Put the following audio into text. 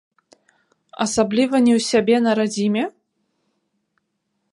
Асабліва не ў сябе на радзіме?